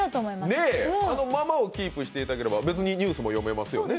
ねえ、あのままをキープしていただければニュースも読めますよね。